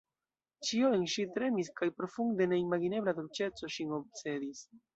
Ĉio en ŝi tremis kaj profunde neimagebla dolĉeco ŝin obsedis.